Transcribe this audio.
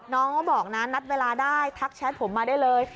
น้องเขาบอกนะนัดเวลาได้ทักแชทผมมาได้เลย